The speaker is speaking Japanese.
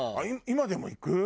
今でも行く？